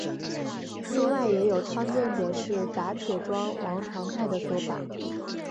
另外也有倡建者是打铁庄王长泰的说法。